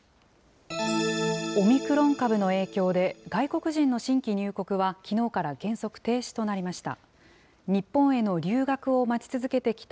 オミクロン株の影響で、外国人の新規入国は、きのうから原則停止となりました。